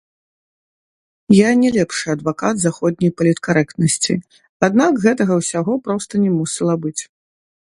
Я не лепшы адвакат заходняй паліткарэктнасці, аднак гэтага ўсяго проста не мусіла быць.